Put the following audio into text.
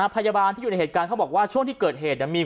พยาบาลที่อยู่ในเหตุการณ์เขาบอกว่าช่วงที่เกิดเหตุมี